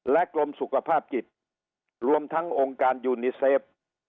กรมสุขภาพจิตรวมทั้งองค์การยูนิเซฟ